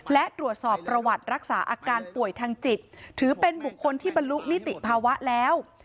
และตรวจสอบประวัติรักษาอาการป่วยทางจิตถือเป็นบุคคลที่บรรลุนิติภาวะแล้ว